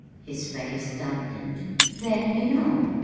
His face darkened. "Then you know.